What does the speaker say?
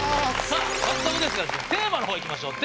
さあ早速ですがテーマの方いきましょう。